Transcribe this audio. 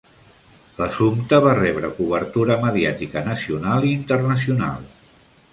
L'assumpte va rebre cobertura mediàtica nacional i internacional.